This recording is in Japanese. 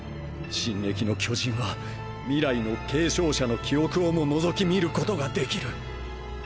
「進撃の巨人」は未来の継承者の記憶をも覗き見ることができる。